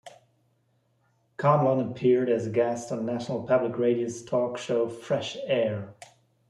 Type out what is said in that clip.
Conlon appeared as a guest on National Public Radio's talk show "Fresh Air".